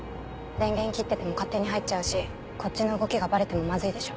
電源切ってても勝手に入っちゃうしこっちの動きがバレてもまずいでしょ。